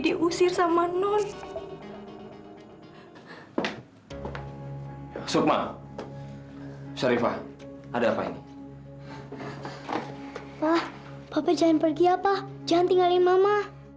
diusir sama non sukma saripah ada apa ini ah papa jangan pergi apa jangan tinggalin mama